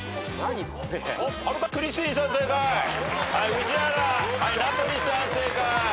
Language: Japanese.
宇治原名取さん正解。